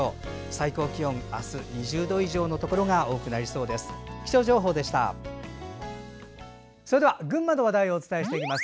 最高気温、明日２０度以上のところが多くなりそうです。